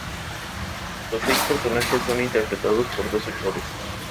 Los seis personajes son interpretados por dos actores.